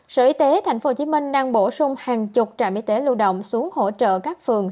sở y tế tp hcm đang bổ sung hàng chục trạm y tế lưu động xuống hỗ trợ các phường